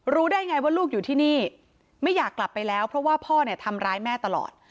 ได้ไงว่าลูกอยู่ที่นี่ไม่อยากกลับไปแล้วเพราะว่าพ่อเนี่ยทำร้ายแม่ตลอด